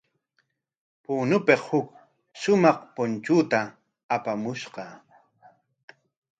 Punopik huk shumaq punchuta apamushqa.